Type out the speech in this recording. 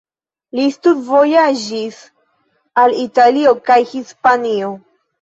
Li studvojaĝis al Italio kaj Hispanio.